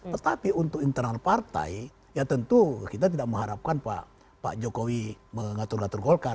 tetapi untuk internal partai ya tentu kita tidak mengharapkan pak jokowi mengatur ngatur golkar